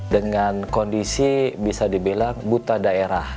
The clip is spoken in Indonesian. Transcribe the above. dengan kondisi bisa dibilang buta daerah